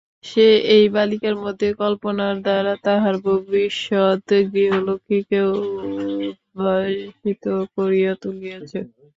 সে এই বালিকার মধ্যে কল্পনার দ্বারা তাহার ভবিষ্যৎ গৃহলক্ষ্মীকে উদ্ভাসিত করিয়া তুলিয়াছে।